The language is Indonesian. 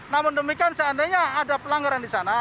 namun demikian seandainya ada pelanggaran di sana